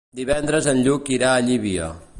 Divendres en Lluc irà a Llívia.